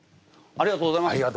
ありがとうございます。